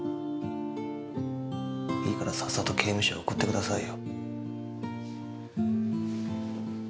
いいからさっさと刑務所へ送ってくださいよ。